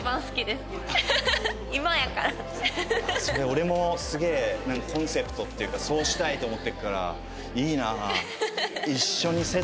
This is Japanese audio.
俺もすげえコンセプトっていうかそうしたいと思ってるからいいなあ。